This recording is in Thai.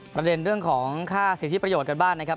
ประเด็นเรื่องของค่าสิทธิประโยชน์กันบ้างนะครับ